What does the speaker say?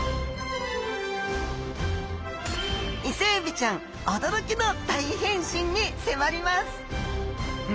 イセエビちゃん驚きの大変身に迫ります！